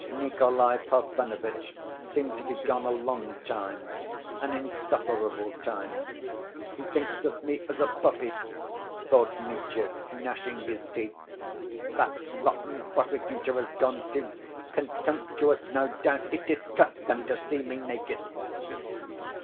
Nikolay Parfenovitch seemed to be gone a long time, "an insufferable time." "He thinks of me as a puppy," thought Mitya, gnashing his teeth. "That rotten prosecutor has gone, too, contemptuous no doubt, it disgusts him to see me naked!"